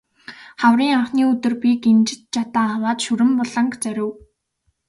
Хаврын анхны өдөр би гинжит жадаа аваад Шүрэн буланг зорив.